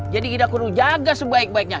jadi kita perlu jaga sebaik baiknya